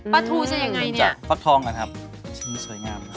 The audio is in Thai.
ปัจทูจะอย่างไรเนี่ยปัจทองครับชิ้นสวยงาม